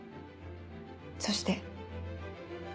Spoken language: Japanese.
そして。